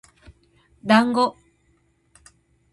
だんご